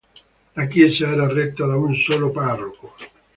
La chiesa era retta da un solo parroco.